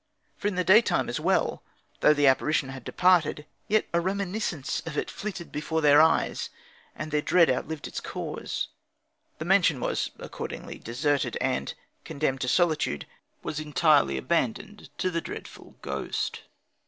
For in the daytime as well, though the apparition had departed, yet a reminiscence of it flitted before their eyes, and their dread outlived its cause. The mansion was accordingly deserted, and, condemned to solitude, was entirely abandoned to the dreadful ghost.